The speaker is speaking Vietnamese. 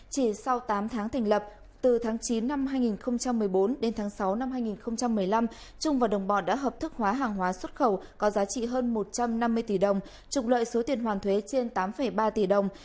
chỉ sau tám tháng thành lập từ tháng chín năm hai nghìn một mươi bốn đến tháng sáu năm hai nghìn một mươi năm trung và đồng bọn đã hợp thức hóa hàng hóa xuất khẩu có giá trị hơn một trăm năm mươi tỷ đồng trục lợi số tiền hoàn thuế trên tám ba tỷ đồng